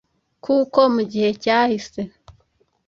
Kuko mu gihe cyahise,